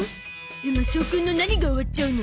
マサオくんの何が終わっちゃうの？